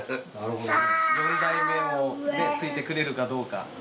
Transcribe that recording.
４代目を継いでくれるかどうか。